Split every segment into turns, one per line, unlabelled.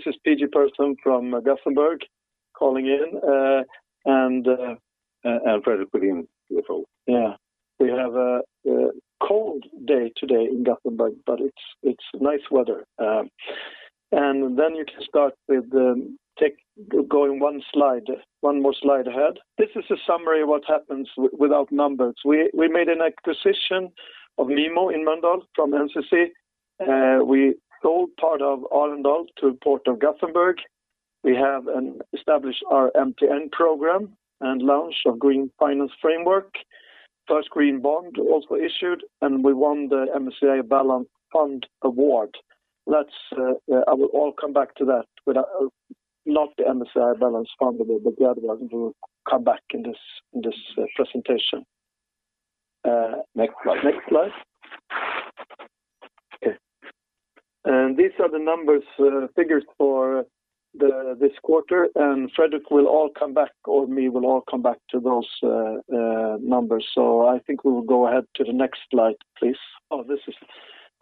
Hello, this is P-G Persson from Gothenburg calling in.
Fredrik Sjudin as well.
Yeah. We have a cold day today in Gothenburg, but it's nice weather. Then you can start with going 1 more slide ahead. This is a summary of what happens without numbers. We made an acquisition of MIMO in Mölndal from NCC. We sold part of [Arendal] to Port of Gothenburg. We have established our MTN program and launch of Green Finance Framework. First green bond also issued. We won the [Nasdaq Green Equity Designation]. I will come back to that. Not the Nasdaq Green Equity Designation. The other ones we will come back in this presentation.
Next slide.
Next slide. Okay. These are the numbers, figures for this quarter, and Fredrik will come back or me will come back to those numbers. I think we will go ahead to the next slide, please.
Oh, this is-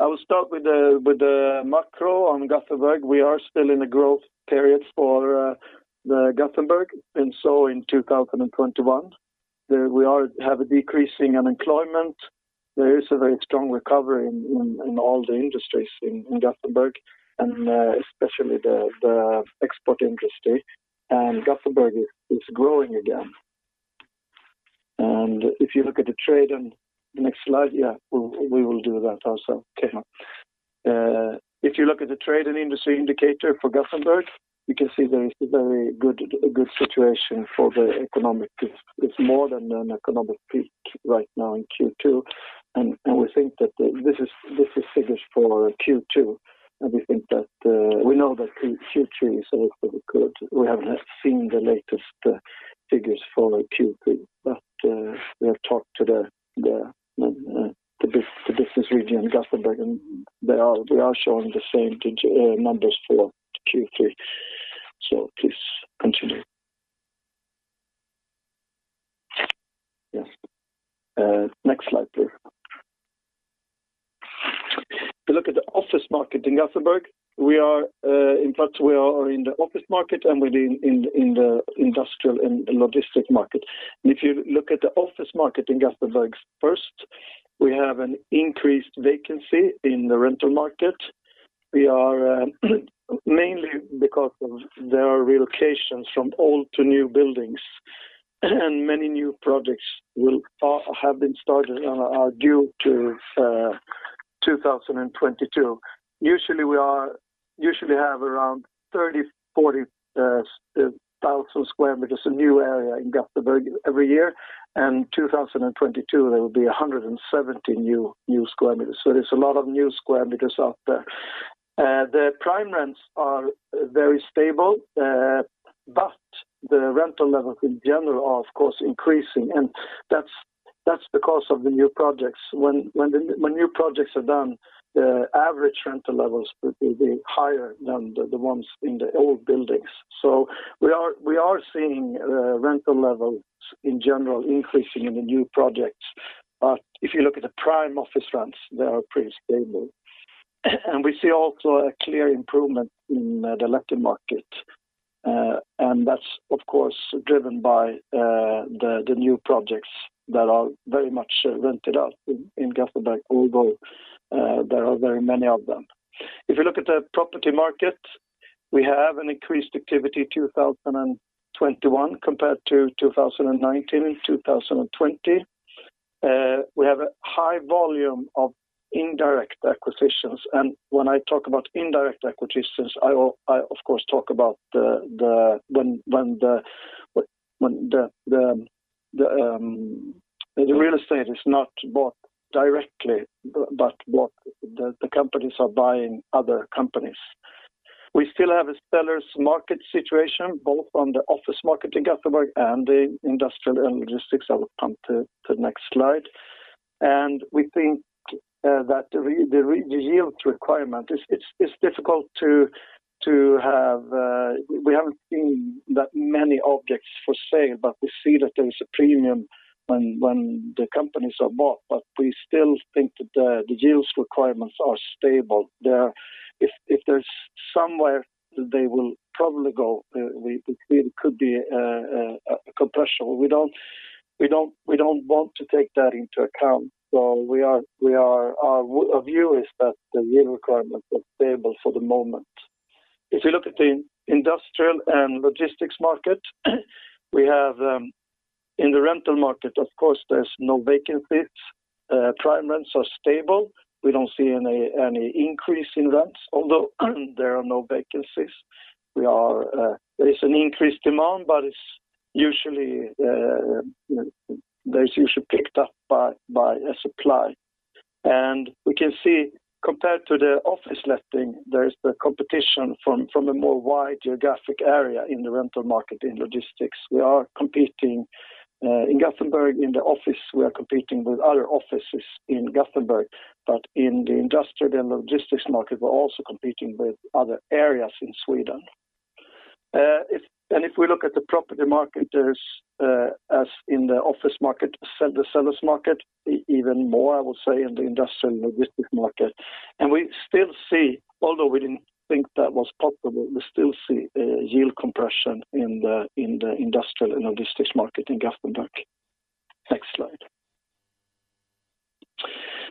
I will start with the macro on Gothenburg. We are still in a growth period for Gothenburg, and so in 2021. We have a decreasing unemployment. There is a very strong recovery in all the industries in Gothenburg and especially the export industry, and Gothenburg is growing again. If you look at the trade in the next slide, yeah, we will do that also. Okay. If you look at the trade and industry indicator for Gothenburg, you can see there is a very good situation for the economic. It's more than an economic peak right now in Q2, and we think that this is figures for Q2, and we know that Q3 is also good. We haven't seen the latest figures for Q3, but we have talked to the business region in Gothenburg, and they are showing the same numbers for Q3. Please continue. Yes. Next slide, please. If you look at the office market in Gothenburg, in fact, we are in the office market, and we're in the industrial and logistics market. If you look at the office market in Gothenburg first, we have an increased vacancy in the rental market. Mainly because there are relocations from old to new buildings, and many new projects have been started and are due to 2022. Usually, we have around 30,000, 40,000 sq m of new area in Gothenburg every year, and 2022, there will be 170 new sq m. There's a lot of new square meter out there. The prime rents are very stable, but the rental levels in general are, of course, increasing, and that's because of the new projects. When new projects are done, the average rental levels will be higher than the ones in the old buildings. We are seeing rental levels in general increasing in the new projects, but if you look at the prime office rents, they are pretty stable. We see also a clear improvement in the letting market. That's, of course, driven by the new projects that are very much rented out in Gothenburg, although there are very many of them. If you look at the property market, we have an increased activity in 2021 compared to 2019 and 2020. We have a high volume of indirect acquisitions. When I talk about indirect acquisitions, I, of course, talk about when the real estate is not bought directly, but the companies are buying other companies. We still have a sellers market situation, both on the office market in Gothenburg and the industrial and logistics. I will come to the next slide. We think that the yield requirement. We haven't seen that many objects for sale, but we see that there is a premium when the companies are bought. We still think that the yield requirements are stable. If there's somewhere that they will probably go, it could be a compression. We don't want to take that into account. Our view is that the yield requirement is stable for the moment. If you look at the industrial and logistics market, we have in the rental market, of course, there's no vacancies. Prime rents are stable. We don't see any increase in rents, although there are no vacancies. There is an increased demand. It's usually picked up by a supply. We can see compared to the office letting, there is the competition from a more wide geographic area in the rental market in logistics. We are competing in Gothenburg in the office. We are competing with other offices in Gothenburg. In the industrial and logistics market, we're also competing with other areas in Sweden. If we look at the property market as in the office market, the seller's market, even more, I would say in the industrial and logistics market. We still see, although we didn't think that was possible, we still see a yield compression in the industrial and logistics market in Gothenburg. Next slide.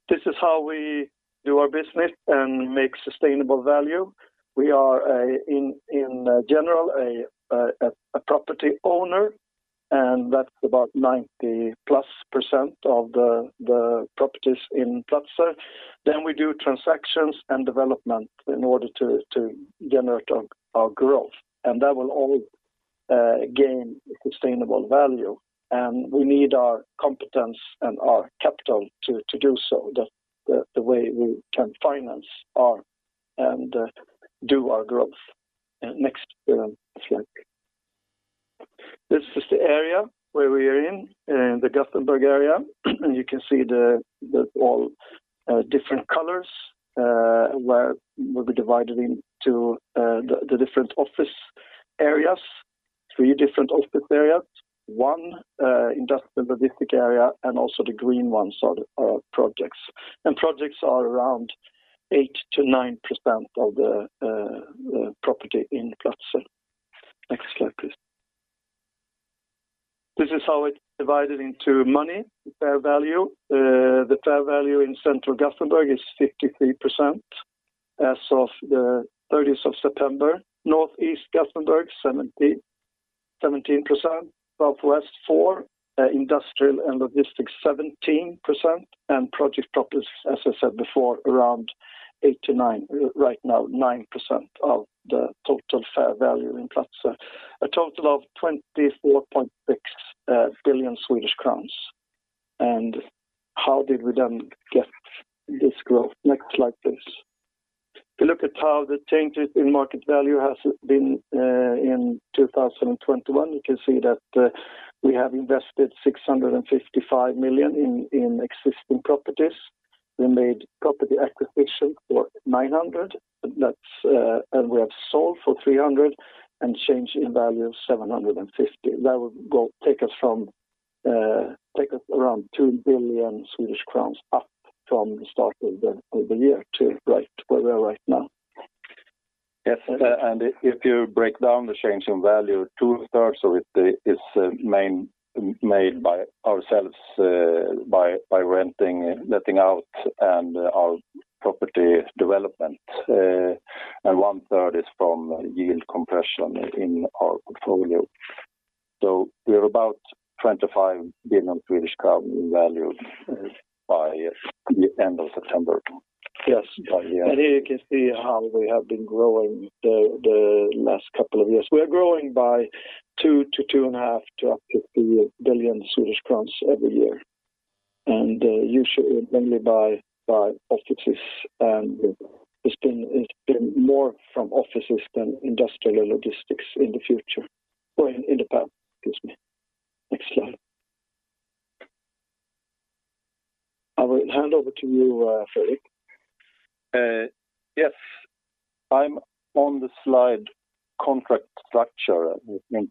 This is how we do our business and make sustainable value. We are, in general, a property owner, and that's about 90-plus % of the properties in Platzer. We do transactions and development in order to generate our growth. That will all gain sustainable value. We need our competence and our capital to do so. That the way we can finance our and do our growth. Next slide. This is the area where we are in, the Gothenburg area. You can see the all different colors where we'll be divided into the different office areas, three different office areas. One industrial logistics area, and also the green ones are our projects. Projects are around 8%-9% of the property in Platzer. Next slide, please. This is how it's divided into money, fair value. The fair value in central Gothenburg is 53% as of the 30th of September. Northeast Gothenburg, 17%. Southwest, 4%. Industrial and logistics, 17%. Project properties, as I said before, around 89%, right now, 9% of the total fair value in Platzer. A total of 24.6 billion Swedish crowns. How did we then get this growth? Next slide, please. If you look at how the changes in market value has been in 2021, you can see that we have invested 655 million in existing properties. We made property acquisition for 900 and we have sold for 300 and change in value of 750. That will take us around 2 billion Swedish crowns up from the start of the year to right where we are right now.
Yes, if you break down the change in value, two-thirds of it is made by ourselves by renting, letting out, and our property development. One-third is from yield compression in our portfolio. We are about 25 billion Swedish crown in value by the end of September.
Yes. Here you can see how we have been growing the last couple of years. We are growing by 2 to 2.5 to up to 3 billion Swedish crowns every year. Usually, mainly by offices and it's been more from offices than industrial logistics in the past. Next slide. I will hand over to you, Fredrik.
Yes. I'm on the slide contract structure, which means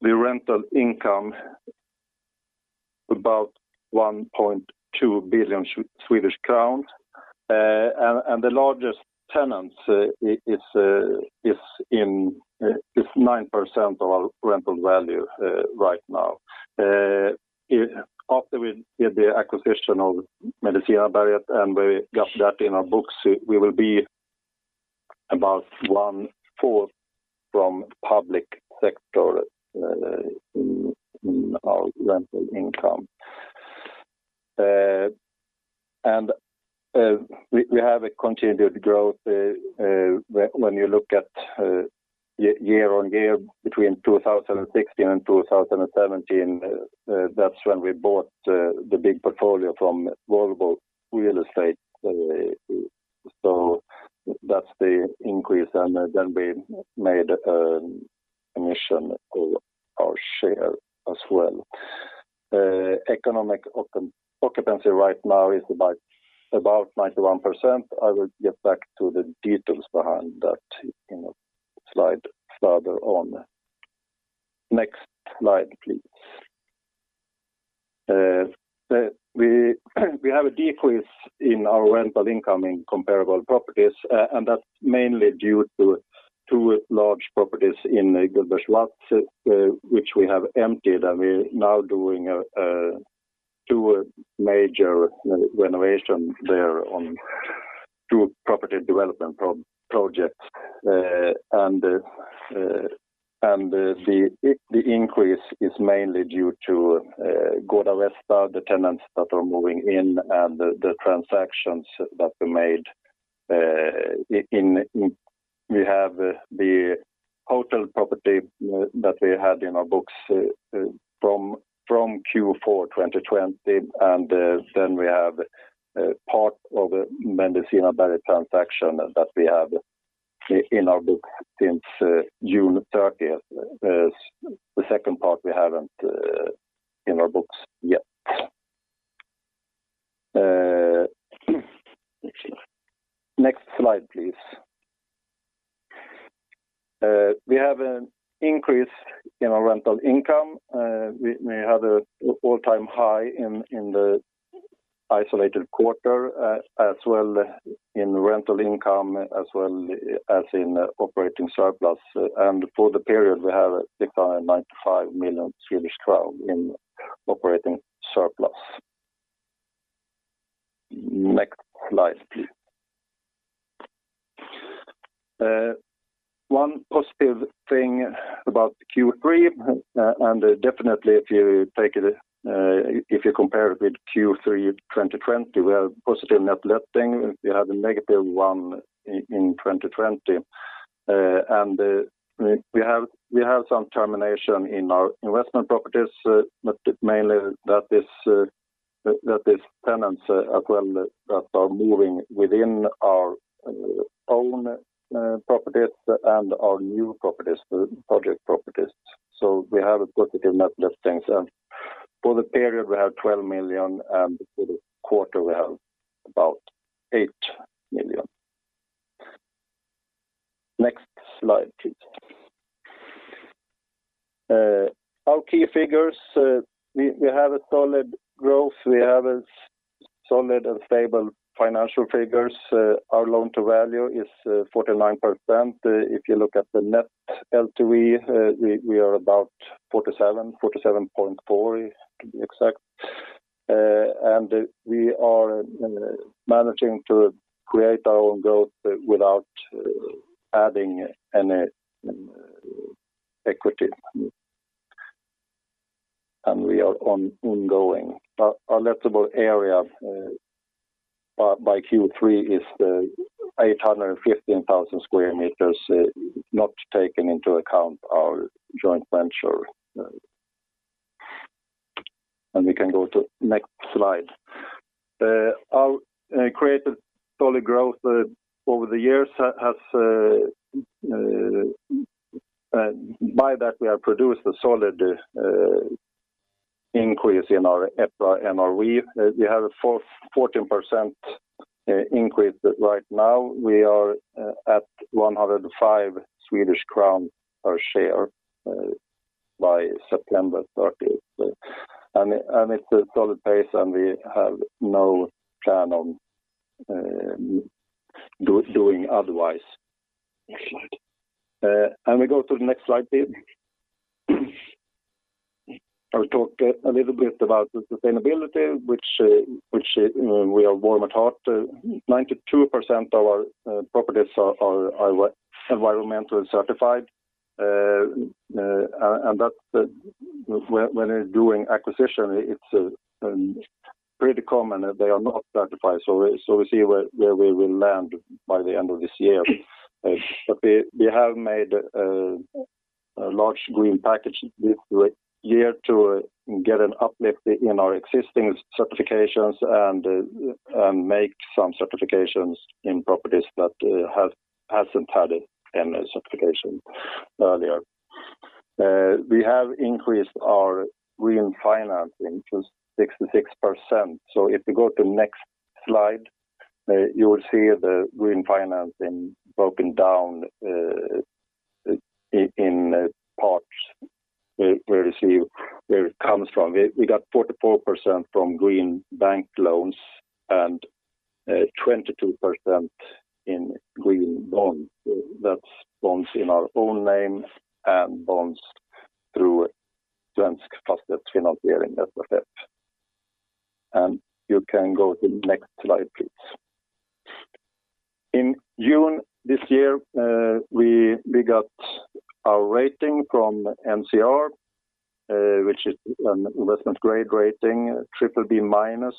the rental income about 1.2 billion Swedish crowns. The largest tenants is 9% of our rental value right now. After we did the acquisition of Medicinareberget and we got that in our books, we will be about one-fourth from public sector in our rental income. We have a continued growth when you look at year-over-year between 2016 and 2017. That's when we bought the big portfolio from Volvo Real Estate. That's the increase, and then we made emission of our share as well. Economic occupancy right now is about 91%. I will get back to the details behind that in a slide further on. Next slide, please. We have a decrease in our rental income in comparable properties. That's mainly due to two large properties in Gullbergsvass which we have emptied. We're now doing two major renovations there on two property development projects. The increase is mainly due to [Gota Alvsta], the tenants that are moving in, and the transactions that we made. We have the hotel property that we had in our books from Q4 2020. We have part of Medicinareberget transaction that we have in our book since June 30th. The second part we haven't in our books yet. Next slide, please. We have an increase in our rental income. We had an all-time high in the isolated quarter as well in rental income as well as in operating surplus. For the period, we have a decline of 95 million Swedish crowns in operating surplus. Next slide, please. One positive thing about Q3, definitely if you compare it with Q3 2020, we have a positive net letting. We had a negative one in 2020. We have some termination in our investment properties, mainly that is tenants as well that are moving within our own properties and our new properties, the project properties. We have a positive net letting. For the period we have 12 million, for the quarter we have about 8 million. Next slide, please. Our key figures, we have a solid growth. We have a solid and stable financial figures. Our loan to value is 49%. If you look at the net LTV, we are about 47.4% to be exact. We are managing to create our own growth without adding any equity. We are ongoing. Our lettable area by Q3 is 815,000 sq m, not taking into account our joint venture. We can go to next slide. Our creative solid growth over the years. By that we have produced a solid increase in our EPRA NRV. We have a 14% increase right now. We are at 105 Swedish crowns per share by September 30. It's a solid pace and we have no plan on doing otherwise.
Next slide.
Can we go to the next slide, please? I will talk a little bit about the sustainability, which we are warm at heart. 92% of our properties are environmentally certified, and when you are doing acquisition, it is pretty common that they are not certified, so we see where we will land by the end of this year. We have made a large green package this year to get an uplift in our existing certifications and make some certifications in properties that hasn't had any certification earlier. We have increased our green financing to 66%. If you go to next slide, you will see the green financing broken down in parts where you see where it comes from. We got 44% from green bank loans and 22% in green bonds. That's bonds in our own name and bonds through Svensk Fastighets Finansiering, SFF. You can go to next slide, please. In June this year, we got our rating from NCR, which is an investment-grade rating, BBB-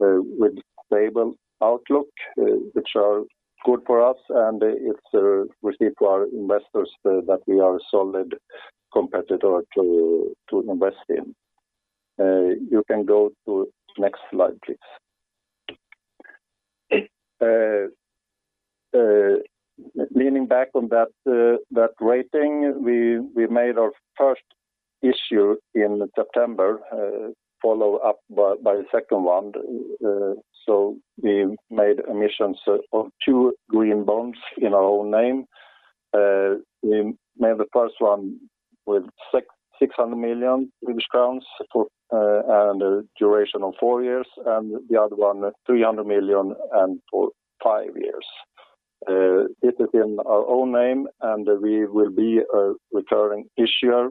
with stable outlook, which is good for us and it's received to our investors that we are a solid competitor to invest in. You can go to next slide, please. Leaning back on that rating, we made our first issue in September, followed up by the second one. We made emissions of two green bonds in our own name. We made the first one with 600 million crowns for a duration of four years, and the other one 300 million and for five years. It is in our own name, and we will be a recurring issuer,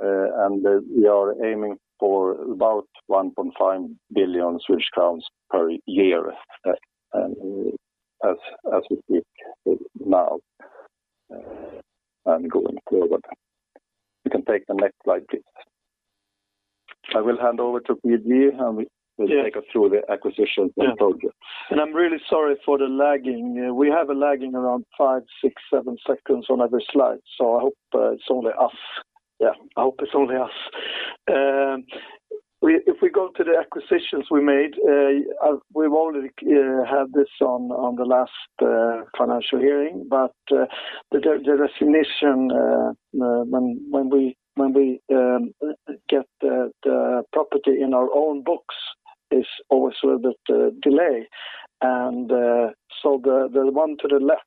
and we are aiming for about 1.5 billion Swedish crowns per year as we speak now and going forward. You can take the next slide, please. I will hand over to P-G Persson. He will take us through the acquisitions and targets.
Yeah. I'm really sorry for the lagging. We have a lagging around 5, 6, 7 seconds on every slide, so I hope it's only us. Yeah. I hope it's only us. If we go to the acquisitions we made, we've already had this on the last financial hearing, but the recognition when we get the property in our own books is always a little bit delay. The one to the left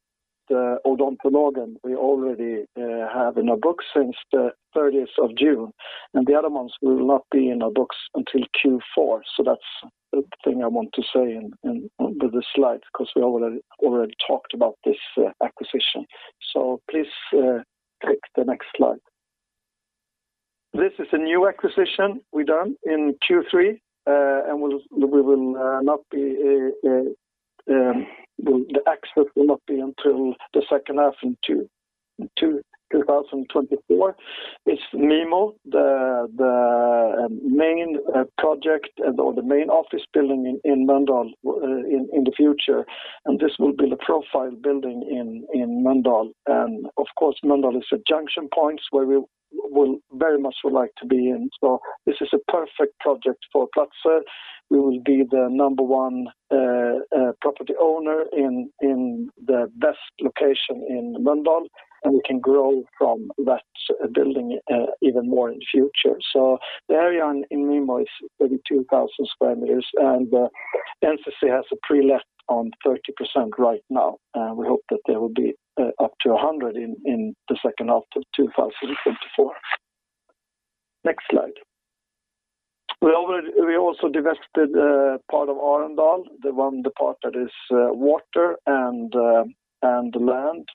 The Odontologen we already have in our books since the 30th of June, and the other ones will not be in our books until Q4. That's the thing I want to say with this slide, because we already talked about this acquisition. Please click the next slide. This is a new acquisition we done in Q3, and the access will not be until the second half in 2024. It's MIMO, the main project or the main office building in Mölndal in the future. This will be the profile building in Mölndal. Of course, Mölndal is a junction point where we very much would like to be in. This is a perfect project for Platzer. We will be the number one property owner in the best location in Mölndal. We can grow from that building even more in the future. The area in MIMO is 32,000 sq m. NCC has a pre-let on 30% right now. We hope that there will be up to 100% in the second half of 2024. Next slide. We also divested part of Arendal, the part that is water and land,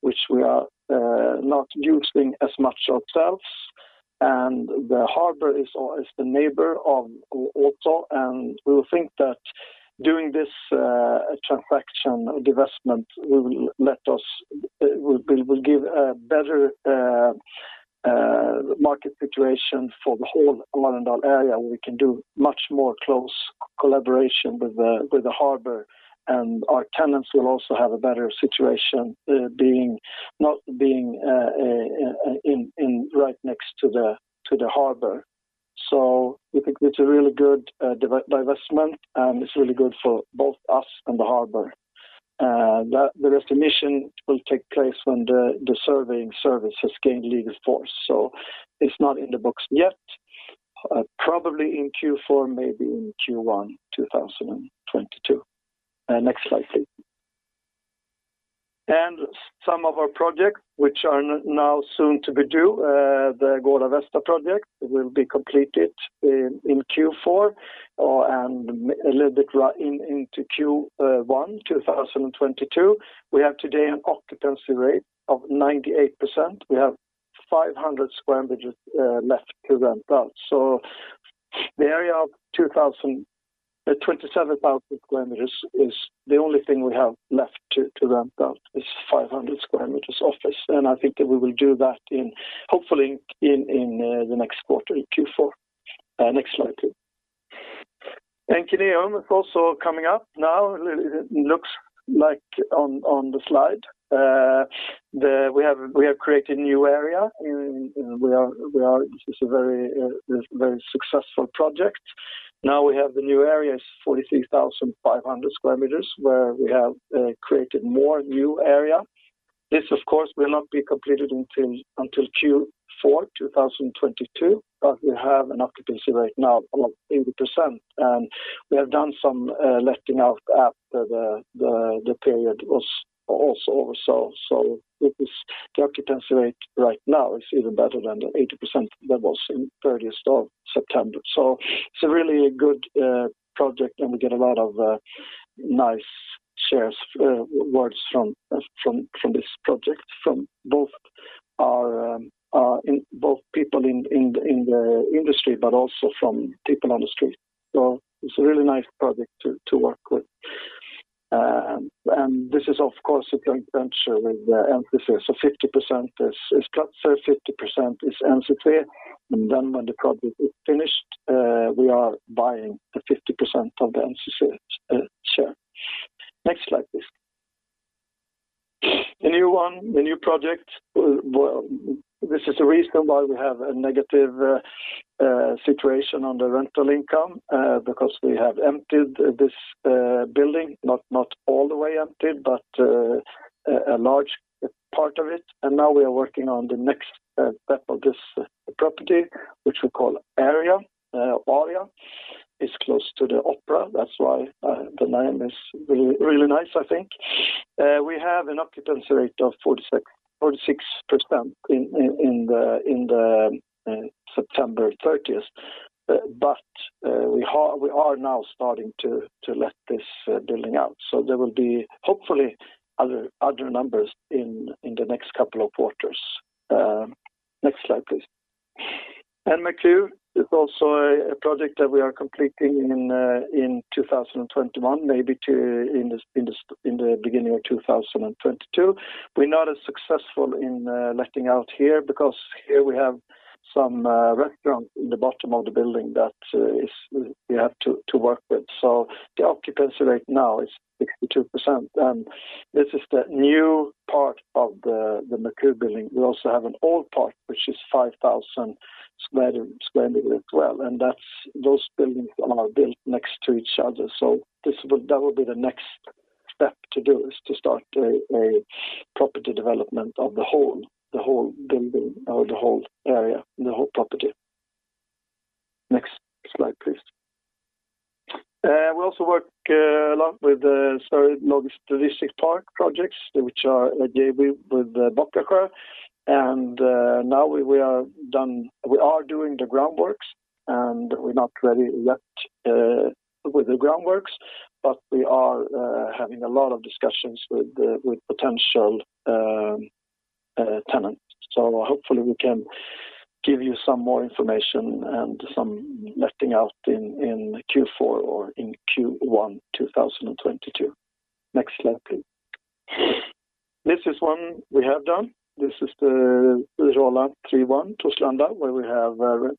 which we are not using as much ourselves. The harbor is the neighbor of us. We will think that doing this transaction divestment will give a better market situation for the whole Arendal area. We can do much more close collaboration with the harbor. Our tenants will also have a better situation not being right next to the harbor. We think it's a really good divestment. It's really good for both us and the harbor. The divestment will take place when the surveying service has gained legal force. It's not in the books yet. Probably in Q4, maybe in Q1 2022. Next slide, please. Some of our projects which are now soon to be due. The [Gårda Vesta] project will be completed in Q4 and a little bit right into Q1 2022. We have today an occupancy rate of 98%. We have 500 sq m left to rent out. The area of 27,000 sq m is the only thing we have left to rent out, is 500 sq m office, and I think that we will do that hopefully in the next quarter, in Q4. Next slide, please. Kineum is also coming up now. It looks like on the slide. We have created a new area. It's a very successful project. Now we have the new areas, 46,500 sq m, where we have created more new area. This, of course, will not be completed until Q4 2022, but we have an occupancy rate now of 80%, and we have done some letting out after the period was also over. The occupancy rate right now is even better than the 80% that was in 30th of September. It's a really good project, and we get a lot of nice shares, words from this project from both people in the industry, but also from people on the street. It's a really nice project to work with. This is of course a joint venture with NCC. 50% is Platzer, 50% is NCC. When the project is finished, we are buying the 50% of the NCC share. Next slide, please. The new one, the new project. This is the reason why we have a negative situation on the rental income, because we have emptied this building, not all the way emptied, but a large part of it. Now we are working on the next step of this property, which we call Aria. It's close to the opera. That's why the name is really nice, I think. We have an occupancy rate of 46% in the September 30th. We are now starting to let this building out. There will be hopefully other numbers in the next couple of quarters. Next slide, please. Merkur is also a project that we are completing in 2021, maybe in the beginning of 2022. We're not as successful in letting out here because here we have some restaurant in the bottom of the building that we have to work with. The occupancy rate now is 62%, and this is the new part of the Merkur building. We also have an old part, which is 5,000 sq m as well, and those buildings are built next to each other. That will be the next step to do is to start a property development of the whole building or the whole area, the whole property. Next slide, please. We also work a lot with the Sörred Logistikpark projects, which are a [JV with Bakkakva], and now we are doing the groundworks, and we're not ready yet with the groundworks, but we are having a lot of discussions with potential tenants. Hopefully we can give you some more information and some letting out in Q4 or in Q1 2022. Next slide, please. This is one we have done. This is the [Rola 31], Torslanda, where we have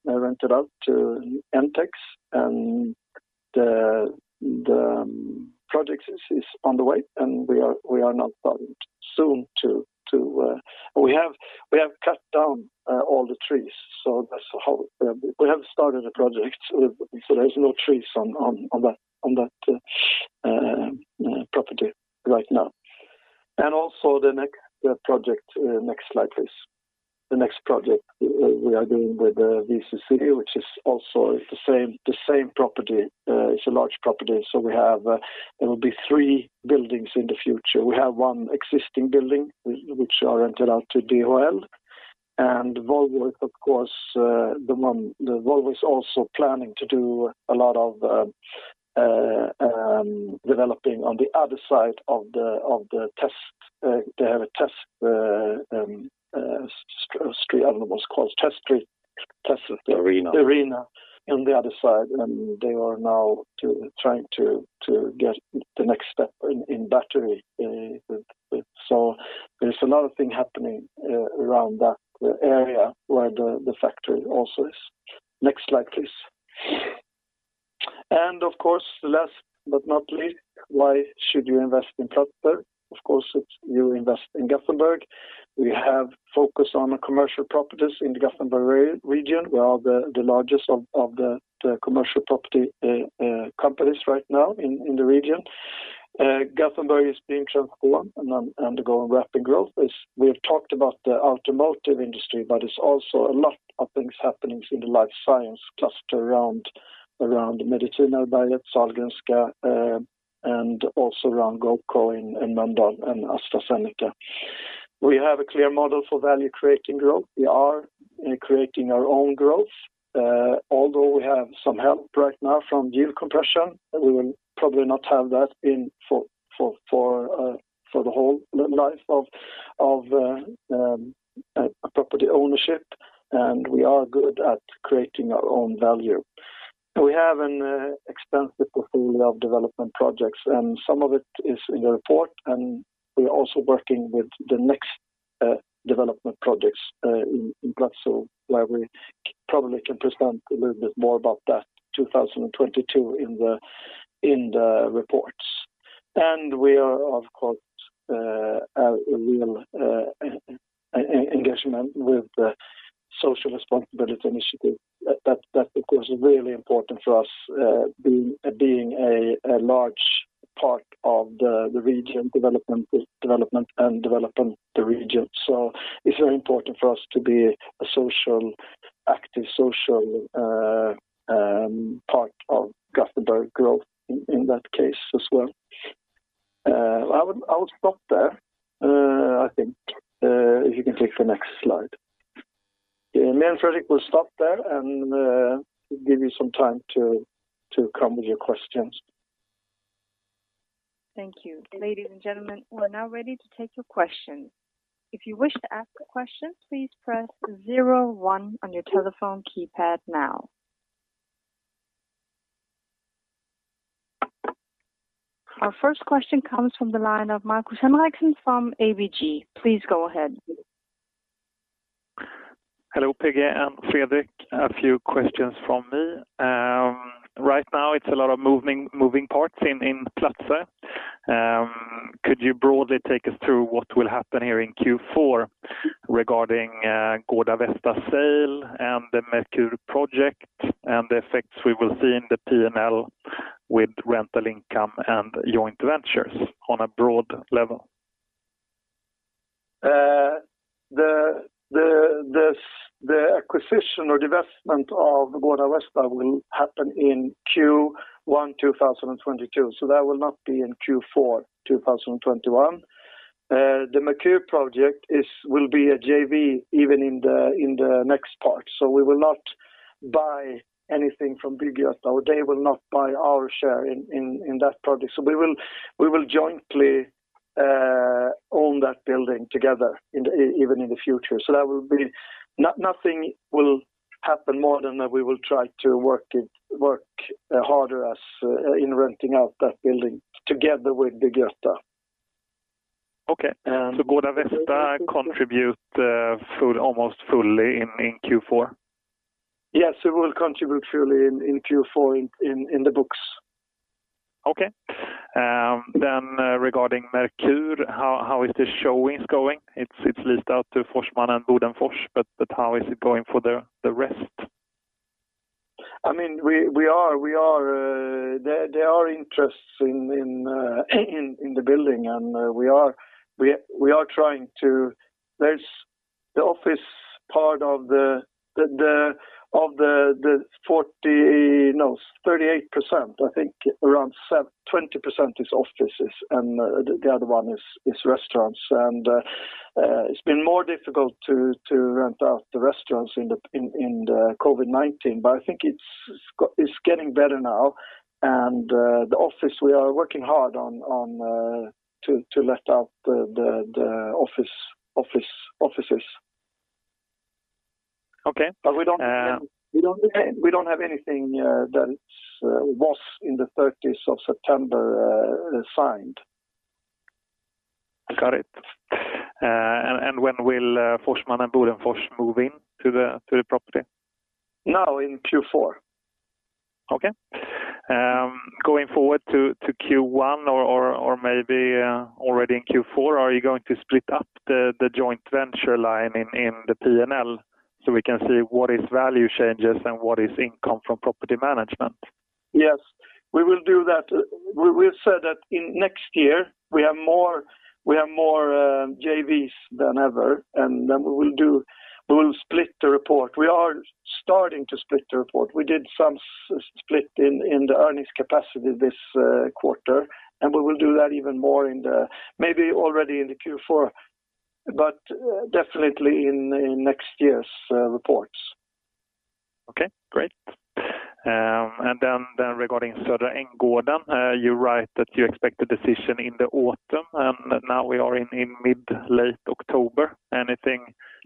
rented out to Mtex, and the project is on the way, and we are now starting soon. We have cut down all the trees. We have started the project, so there's no trees on that property right now. Also the next project, next slide, please. The next project we are doing with VCC, which is also the same property. It's a large property, there will be 3 buildings in the future. We have one existing building, which are rented out to DHL. Volvo is also planning to do a lot of developing on the other side of the test. They have a test street, I don't know what it's called. Test street?
Arena.
Arena on the other side. They are now trying to get the next step in battery. There's a lot of things happening around that area where the factory also is. Next slide, please. Of course, last but not least, why should you invest in Platzer? Of course, you invest in Gothenburg. We have focused on the commercial properties in the Gothenburg region. We are the largest of the commercial property companies right now in the region. Gothenburg is being transformed and undergoing rapid growth. We have talked about the automotive industry, but there's also a lot of things happening in the life science cluster around Medicinareberget, Sahlgrenska, and also around GoCo in Mölndal and AstraZeneca. We have a clear model for value creating growth. We are creating our own growth. Although we have some help right now from yield compression, we will probably not have that for the whole life of property ownership, and we are good at creating our own value. We have an expansive portfolio of development projects, and some of it is in the report, and we are also working with the next development projects in Platzer, where we probably can present a little bit more about that 2022 in the reports. We are, of course, a real engagement with the social responsibility initiative. That's, of course, really important for us being a large part of the region development and developing the region. It's very important for us to be active social part of Gothenburg growth in that case as well. I would stop there, I think, if you can click the next slide. Me and Fredrik will stop there and give you some time to come with your questions.
Thank you. Ladies and gentlemen, we're now ready to take your questions. If you wish to ask a question, please press zero one on your telephone keypad now. Our first question comes from the line of Markus Henriksson from ABG. Please go ahead.
Hello, P-G and Fredrik. A few questions from me. Right now it's a lot of moving parts in Platzer. Could you broadly take us through what will happen here in Q4 regarding Gårdavästra sale and the Merkur project and the effects we will see in the P&L with rental income and joint ventures on a broad level?
The acquisition or divestment of Gårdavästra will happen in Q1 2022, so that will not be in Q4 2021. The Merkur project will be a JV even in the next part. We will not buy anything from Bygg-Göta, or they will not buy our share in that project. We will jointly own that building together even in the future. Nothing will happen more than that we will try to work harder in renting out that building together with Bygg-Göta.
Okay. Gårdavästra contribute almost fully in Q4?
Yes, it will contribute fully in Q4 in the books.
Okay. Regarding Merkur, how is this showing going? It's leased out to Forsman & Bodenfors, how is it going for the rest?
There are interests in the building. The office part of the 40%, no, 38%, I think around 20% is offices. The other one is restaurants. It's been more difficult to rent out the restaurants in the COVID-19. I think it's getting better now. The office we are working hard on to let out the offices.
Okay.
We don't have anything that was in the 30th of September signed.
I got it. When will Forsman & Bodenfors move in to the property?
Now in Q4.
Okay. Going forward to Q1 or maybe already in Q4, are you going to split up the joint venture line in the P&L so we can see what is value changes and what is income from property management?
Yes, we will do that. We have said that in next year, we have more JVs than ever. We will split the report. We are starting to split the report. We did some split in the earnings capacity this quarter, and we will do that even more Maybe already in the Q4, but definitely in next year's reports.
Okay, great. Regarding Södra Änggården, you write that you expect a decision in the autumn, and now we are in mid, late October. Anything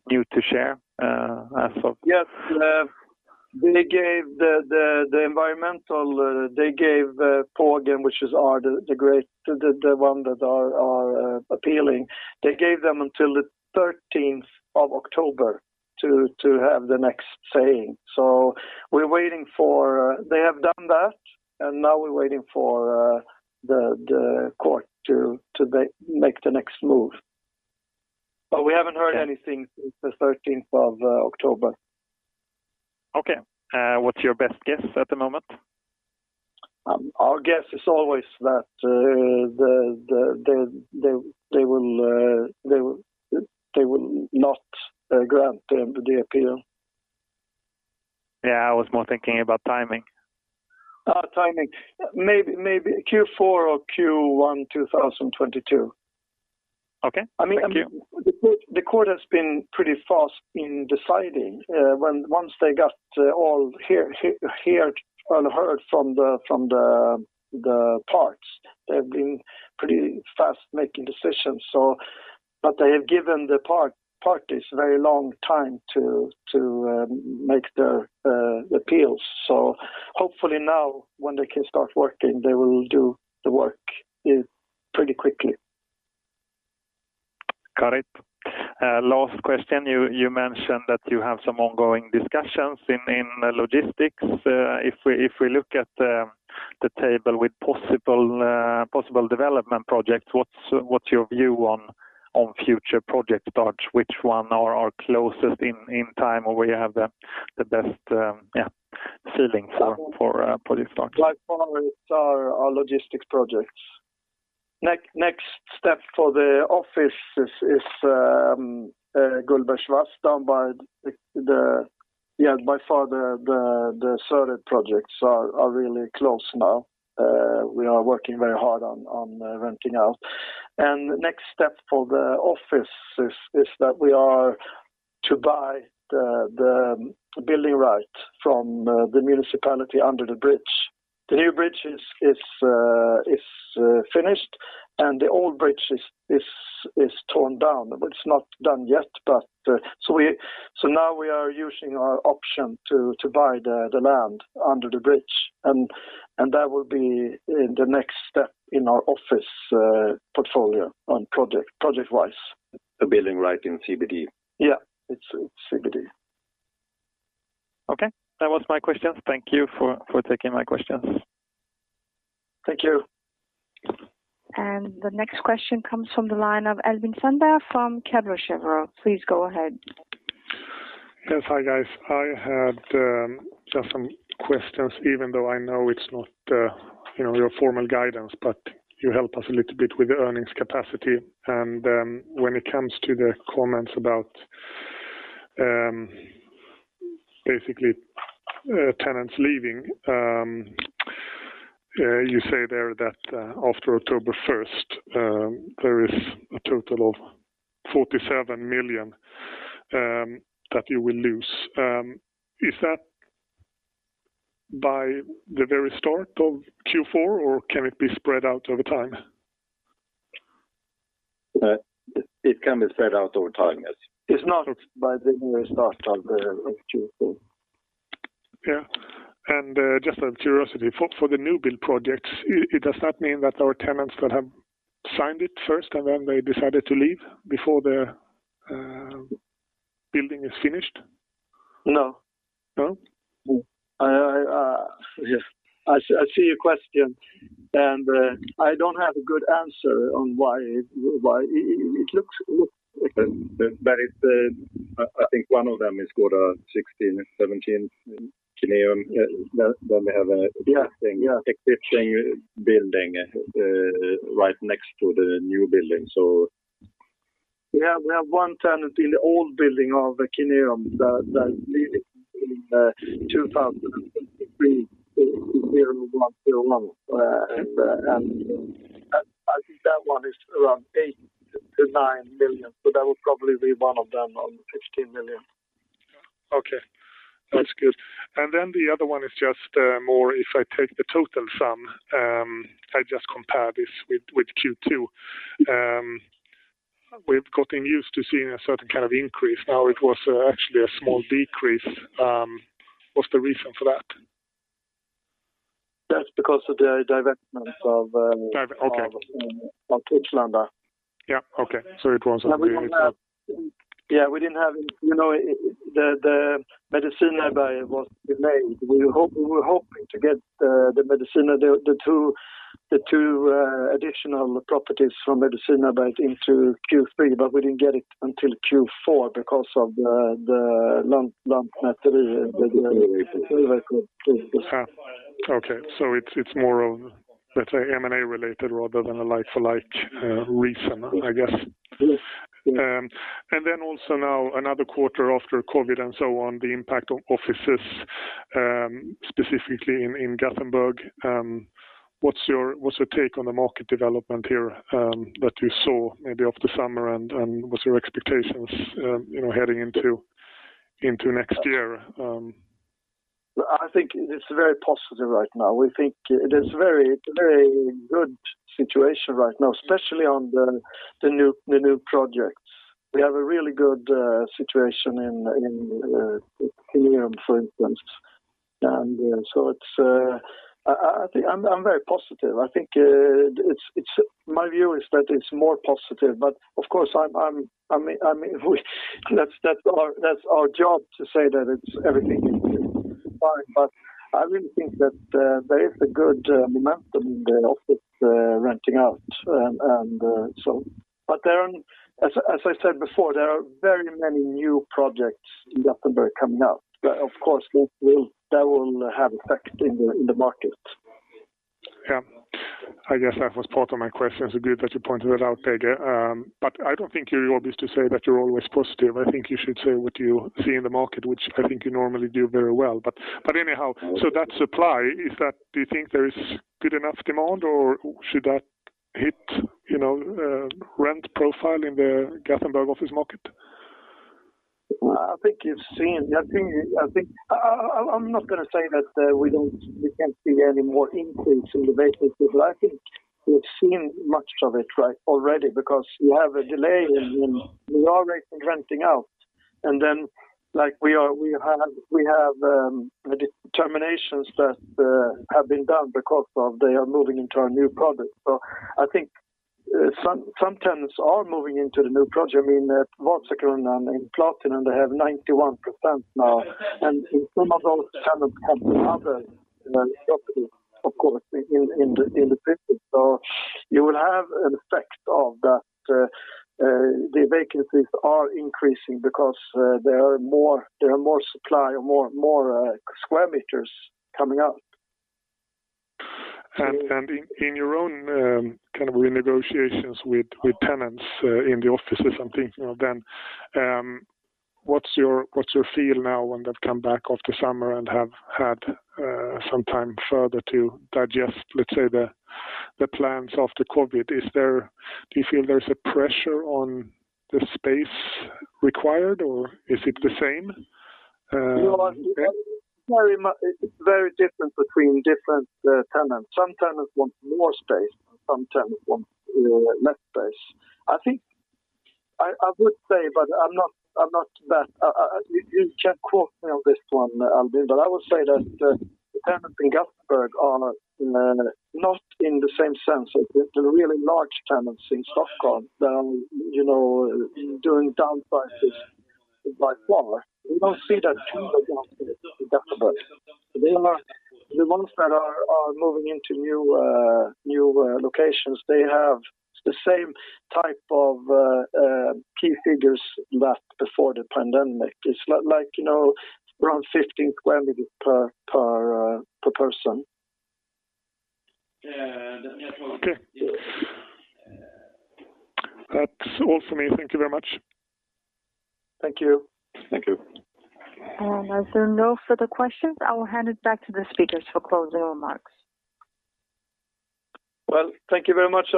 new to share as of?
Yes. They gave the environmental, they gave Pågen, which is the one that are appealing, they gave them until the 13th of October to have the next saying. They have done that, and now we're waiting for the court to make the next move. We haven't heard anything since the 13th of October.
Okay. What's your best guess at the moment?
Our guess is always that they will not grant the appeal.
Yeah, I was more thinking about timing.
Timing. Maybe Q4 or Q1 2022.
Okay. Thank you.
The court has been pretty fast in deciding. Once they got all heard from the parts, they've been pretty fast making decisions. They have given the parties very long time to make their appeals. Hopefully now when they can start working, they will do the work pretty quickly.
Got it. Last question. You mentioned that you have some ongoing discussions in logistics. If we look at the table with possible development projects, what's your view on future project starts? Which one are closest in time, or where you have the best feeling for project starts?
By far it's our logistics projects. Yeah, by far the Sörred projects are really close now. We are working very hard on renting out. Next step for the office is that we are to buy the building right from the municipality under the bridge. The new bridge is finished and the old bridge is torn down, but it's not done yet. Now we are using our option to buy the land under the bridge, and that will be the next step in our office portfolio on project-wise.
The building right in CBD.
Yeah. It's CBD.
Okay. That was my questions. Thank you for taking my questions.
Thank you.
The next question comes from the line of Albin Sandberg from Kepler Cheuvreux. Please go ahead.
Yes. Hi, guys. I had just some questions, even though I know it's not your formal guidance, but you help us a little bit with the earnings capacity. When it comes to the comments about basically tenants leaving, you say there that after October 1st there is a total of 47 million that you will lose. Is that by the very start of Q4, or can it be spread out over time?
It can be spread out over time, yes.
It's not by the very start of Q4.
Yeah. Just out of curiosity, for the new build projects, does that mean that our tenants that have signed it first and then they decided to leave before the building is finished?
No.
No?
I see your question, and I don't have a good answer on why it.
I think one of them is Gårda 16:17, Kineum. Yeah existing building right next to the new building.
We have one tenant in the old building of Kineum that is leaving in 2023, in April 2021. I think that one is around 8 million-9 million. That would probably be one of them on 15 million.
Okay. That's good. Then the other one is just more if I take the total sum, I just compare this with Q2. We've gotten used to seeing a certain kind of increase. Now it was actually a small decrease. What's the reason for that?
That's because of the divestment of.
Okay
of [Gårdavästra].
Yeah. Okay. It wasn't.
We didn't have the Medicinareberget was delayed. We were hoping to get the two additional properties from Medicinareberget into Q3. We didn't get it until Q4 because of the Lantmäteriet.
Okay. It's more of, let's say, M&A related rather than a like for like reason, I guess.
Yes.
Also now another quarter after COVID and so on, the impact on offices, specifically in Gothenburg. What's your take on the market development here that you saw maybe after summer, and what's your expectations heading into next year?
I think it's very positive right now. We think it is a very good situation right now, especially on the new projects. We have a really good situation in Kineum, for instance. I'm very positive. My view is that it's more positive, but of course, that's our job to say that everything is fine. I really think that there is a good momentum in the office renting out. As I said before, there are very many new projects in Gothenburg coming up. Of course, that will have effect in the market.
Yeah. I guess that was part of my question, so good that you pointed that out, P-G Persson. I don't think you're obvious to say that you're always positive. I think you should say what you see in the market, which I think you normally do very well. Anyhow, that supply, do you think there is good enough demand or should that hit rent profile in the Gothenburg office market?
I think you've seen I'm not going to say that we can't see any more increase in the vacancies, but I think we've seen much of it already because we have a delay in we are renting out. Then we have terminations that have been done because they are moving into our new project. I think some tenants are moving into the new project. At Vasakronan in Platinan they have 91% now. Some of those tenants have other properties, of course, in the city. You will have an effect of that the vacancies are increasing because there are more supply or more square meters coming out.
In your own renegotiations with tenants in the offices and things then, what's your feel now when they've come back after summer and have had some time further to digest, let's say, the plans after COVID? Do you feel there's a pressure on the space required, or is it the same?
It's very different between different tenants. Some tenants want more space, some tenants want less space. You can't quote me on this one, Albin, I would say that the tenants in Gothenburg are not in the same sense as the really large tenants in Stockholm during downsizes by far. We don't see that too much in Gothenburg. The ones that are moving into new locations, they have the same type of key figures left before the pandemic. It's like around 15 sq m per person.
Okay. That's all from me. Thank you very much.
Thank you.
Thank you.
As there are no further questions, I will hand it back to the speakers for closing remarks.
Well, thank you very much.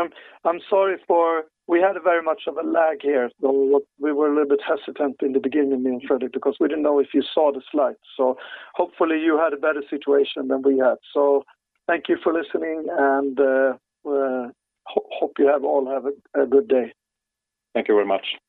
I'm sorry for we had very much of a lag here. We were a little bit hesitant in the beginning, me and Fredrik, because we didn't know if you saw the slides. Hopefully you had a better situation than we had. Thank you for listening, and hope you all have a good day.
Thank you very much.